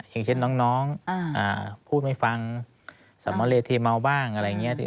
อย่างเช่นน้องพูดไม่ฟังสมเลเทเมาบ้างอะไรอย่างนี้